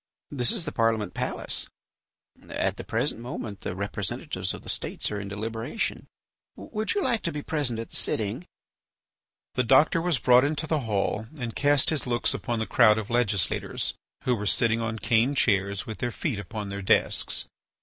This is the Parliament palace. At the present moment the representatives of the States are in deliberation. Would you like to be present at the sitting?" The doctor was brought into the hall and cast his looks upon the crowd of legislators who were sitting on cane chairs with their feet upon their desks.